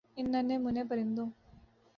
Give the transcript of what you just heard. ان ننھے مننھے پرندوں